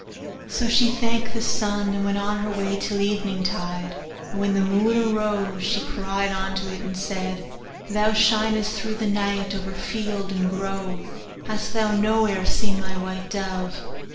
So she thanked the sun, and went on her way till eventide; and when the moon arose, she cried unto it, and said, 'Thou shinest through the night, over field and grove hast thou nowhere seen my white dove?